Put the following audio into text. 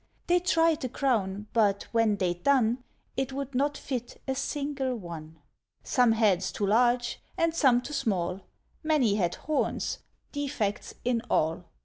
They tried the crown, but, when they'd done, It would not fit a single one. Some heads too large, and some too small; Many had horns, defects in all.